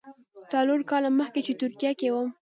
څلور کاله مخکې چې ترکیه کې وم.